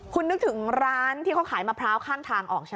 คุณนึกถึงร้านที่เขาขายมะพร้าวข้างทางออกใช่ไหม